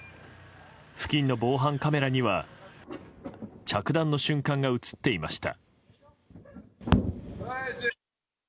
付近の防犯カメラには着弾の瞬間が映っていました。